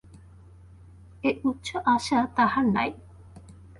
এ উচ্চ আশা তাহার নাই।